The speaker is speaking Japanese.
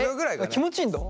えっ気持ちいいんだ。